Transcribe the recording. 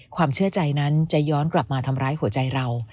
ความเชื่อใจนั้นจะย้อนกลับมาทำร้ายหัวใจเรา